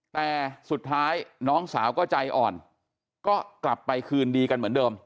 แต่สุดท้ายน้องสาวก็ใจอ่อนก็กลับไปคืนดีกันเหมือนเดิม